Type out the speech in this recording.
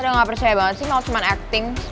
udah gak percaya banget sih kalo cuman acting